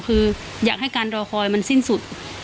คืออยากให้การรอคอยมันสิ้นสุด